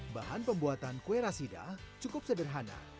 bahan pembuatan kue rasidah cukup sederhana